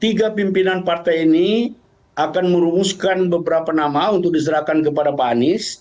tiga pimpinan partai ini akan merumuskan beberapa nama untuk diserahkan kepada pak anies